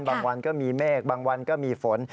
วันก็มีเมฆบางวันก็มีฝน